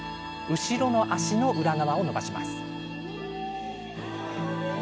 後ろの足の裏側を伸ばします。